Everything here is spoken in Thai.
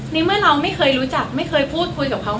ในเมื่อเราไม่เคยรู้จักไม่เคยพูดคุยกับเขา